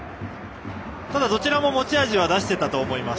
ただ、どちらも持ち味は出していたと思います。